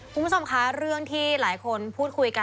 คุณผู้ชมคะเรื่องที่หลายคนพูดคุยกัน